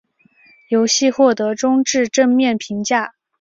游戏获得中至正面评价。